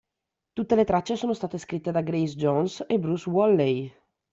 Tutte le tracce sono state scritte da Grace Jones e Bruce Woolley.